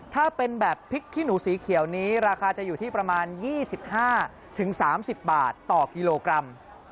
ถ้าเป็นแบบพริกขี้หนูสีเขียวนี้ราคาจะอยู่ที่ประมาณ๒๕๓๐บาทต่อกิโลกรัม